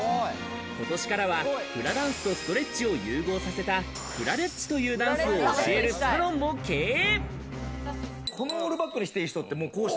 今年からはフラダンスとストレッチを融合させたフラレッチというダンスを教えるサロンも経営。